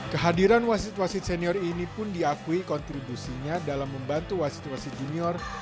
kehadiran wasit wasit senior ini pun diakui kontribusinya dalam membantu wasit wasit junior